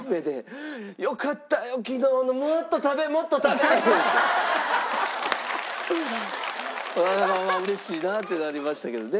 だから嬉しいなってなりましたけどね。